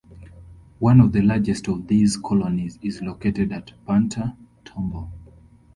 One of the largest of these colonies is located at Punta Tombo.